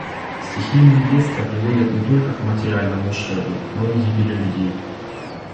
Стихийные бедствия приводят не только к материальному ущербу, но и к гибели людей.